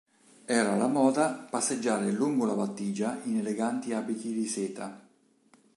Era alla moda passeggiare lungo la battigia in eleganti abiti di seta.